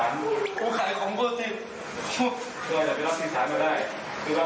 ขายที่ใครจะเข้ามาลูกค้าของแหละมองสำนวนแหละ